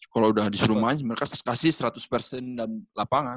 kalo udah disuruh main mereka kasih seratus lapangan